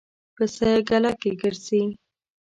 پسه ګله کې ګرځي.